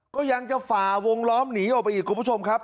ก็ยังจะฝ่าวงล้อมหนีออกไปอีกคุณผู้ชมครับ